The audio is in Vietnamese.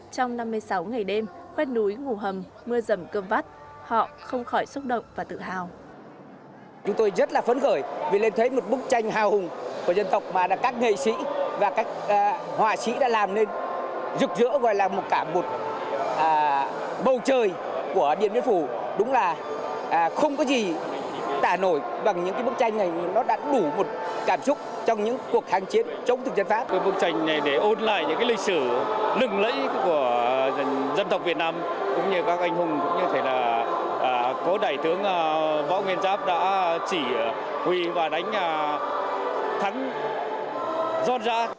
trong năm mươi sáu ngày đêm khoét núi ngủ hầm mưa rầm cơm vắt họ không khỏi xúc động và tự hào